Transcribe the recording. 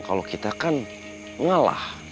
kalau kita kan ngalah